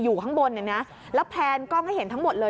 อยู่ข้างบนเนี่ยนะแล้วแพลนก็ไม่เห็นทั้งหมดเลย